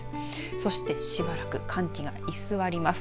そしてしばらく寒気が居座ります。